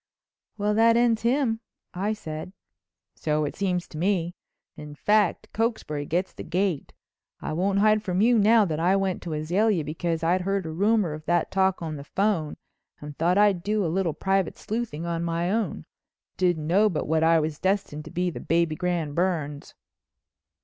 "Well that ends him," I said. "So it seems to me. In fact Cokesbury gets the gate. I won't hide from you now that I went to Azalea because I'd heard a rumor of that talk on the phone and thought I'd do a little private sleuthing on my own. Didn't know but what I was destined to be the Baby Grand Burns."